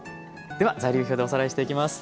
では材料表でおさらいしていきます。